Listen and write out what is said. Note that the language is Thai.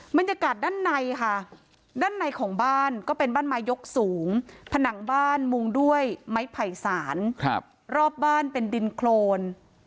บรรยากาศด้านในค่ะด้านในของบ้านก็เป็นบ้านไม้ยกสูงผนังบ้านมุงด้วยไม้ไผ่สารรอบบ้านเป็นดินโครน